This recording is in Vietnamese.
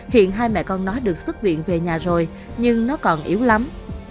hiện hai mẹ con nói được xuất viện về nhà rồi nhưng nó còn yếu lắm